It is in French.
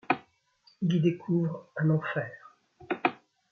Il y découvre un enfer.